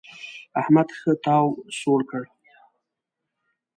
احمد ښه تاو سوړ کړ.